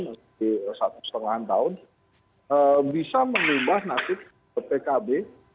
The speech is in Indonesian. masih satu setengah tahun bisa menyebabkan nasib pkb